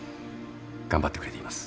頑張ってくれています。